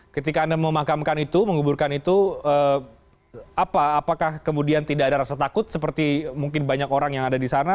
ketika anda memakamkan itu menguburkan itu apakah kemudian tidak ada rasa takut seperti mungkin banyak orang yang ada di sana